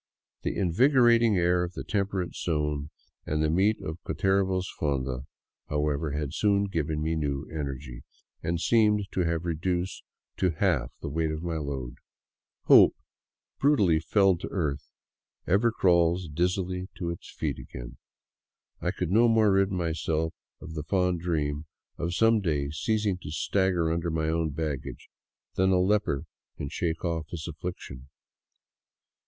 The envigorating air of the temperate zone and the meat of Cutervo's fonda, however, had soon given me new energy, and seemed to have re duced to half the weight of my load. Hope, brutally felled to earth, ever crawls dizzily to its feet again. I could no more rid myself of the fond dream of some day ceasing to stagger under my own baggage than a leper can shake off his affliction.